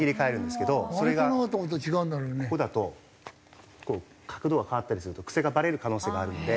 それがここだとこう角度が変わったりすると癖がバレる可能性があるので。